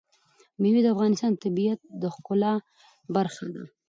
مېوې د افغانستان د طبیعت د ښکلا برخه ده.